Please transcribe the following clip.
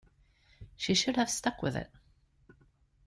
She should have stuck with it.